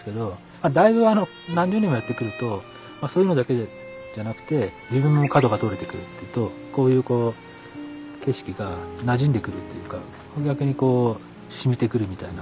まあだいぶ何十年もやってくるとまあそういうのだけじゃなくて自分の角が取れてくるっていうとこういうこう景色がなじんでくるっていうか逆にこうしみてくるみたいな。